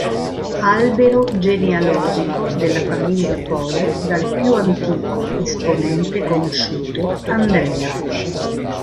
Albero genealogico della famiglia Polo, dal più antico esponente conosciuto, Andrea.